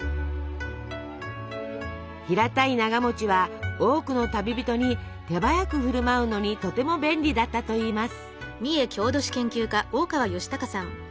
平たいながは多くの旅人に手早く振る舞うのにとても便利だったといいます。